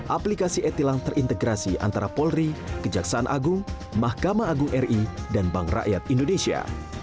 aplikasi e tilang terintegrasi antara polri kejaksaan agung mahkamah agung ri dan bank rakyat indonesia